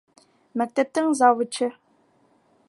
Мәктәптең завучы